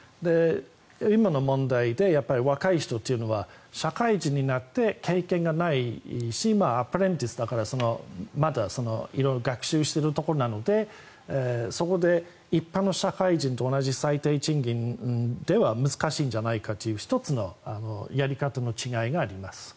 今の問題で若い人というのは社会人になって経験がないしアプレンティスだからまだ色々学習しているところなのでそこで一般の社会人と同じ最低賃金では難しいんじゃないかという１つのやり方の違いがあります。